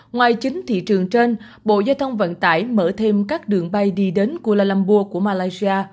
ngoài chính thị trường trên bộ giao thông vận tải mở thêm các đường bay đi đến kuala lumburg của malaysia